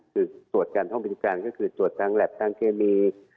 คือตรวจทางห้องปฏิบัติการก็คือตรวจทางแลพทางเคมี